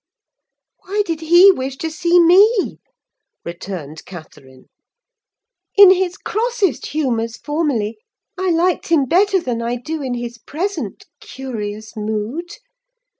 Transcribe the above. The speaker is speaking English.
"Why did he wish to see me?" returned Catherine. "In his crossest humours, formerly, I liked him better than I do in his present curious mood.